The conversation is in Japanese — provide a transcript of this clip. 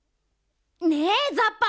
ねえザッパ！